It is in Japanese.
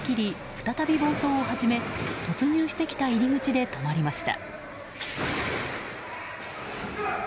再び暴走を始め突入してきた入り口で止まりました。